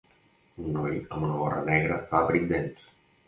Un noi amb una gorra negra fa break dance